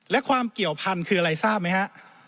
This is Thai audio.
และความเกี่ยวพันธุ์คืออะไรทราบไหมฮะ